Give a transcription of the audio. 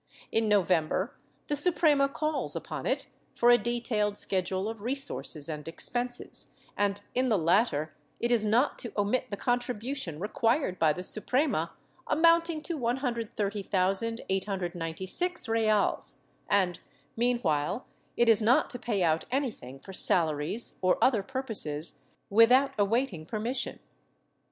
In November the Suprema calls upon it for a detailed schedule of resources and expenses and, in the latter it is not to omit the contribution required by the Suprema, amounting to 130,896 reales, and meanwhile it is not to pay out an}i;hing for salaries or other purposes without awaiting permission.